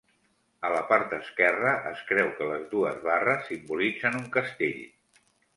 A la part esquerra, es creu que les dues barres simbolitzen un castell.